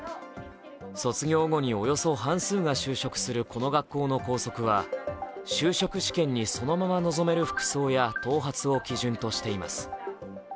卒業後におよそ半数が就職するこの学校の校則は、就職試験にそのまま臨める服装や頭髪を基準としています。